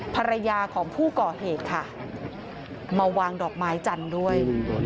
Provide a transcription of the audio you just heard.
ภรรยาของผู้ก่อเหตุค่ะมาวางดอกไม้จันทร์ด้วย